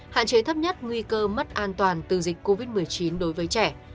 hạn chế thấp nhất nguy cơ mất an toàn từ dịch covid một mươi chín đối với trẻ